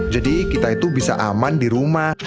jadi kita itu bisa aman di rumah